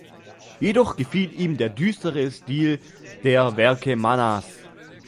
Jedoch gefiel ihm der düstere Stil der Werke Manas.